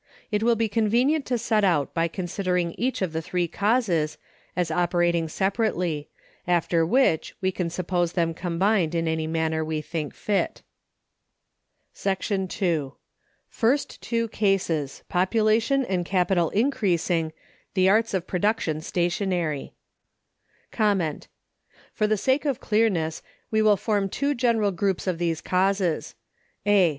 It will be convenient to set out by considering each of the three causes, as operating separately; after which we can suppose them combined in any manner we think fit.(298) § 2. First two cases, Population and Capital increasing, the arts of production stationary. For the sake of clearness we will form two general groups of these causes: A.